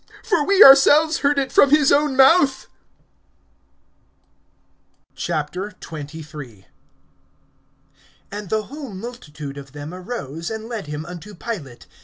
For we ourselves heard it from his own mouth. XXIII. AND the whole multitude of them arose, and led him unto Pilate.